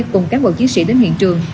rất là nhiều